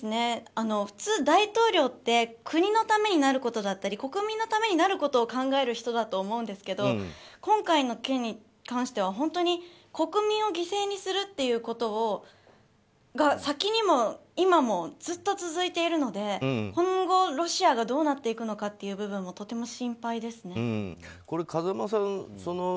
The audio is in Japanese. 普通、大統領って国のためになることだったり国民のためになることを考える人だと思うんですけど今回の件に関しては国民を犠牲にするということが先にも今もずっと続いているので今後、ロシアがどうなっていくのかという部分も風間さん